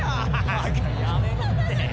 バカやめろって。